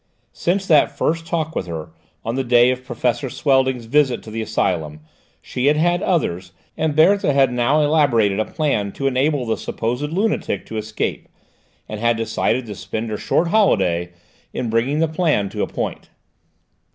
Since that first talk with her, on the day of Professor Swelding's visit to the asylum, she had had others, and Berthe had now elaborated a plan to enable the supposed lunatic to escape, and had decided to spend her short holiday in bringing the plan to a point.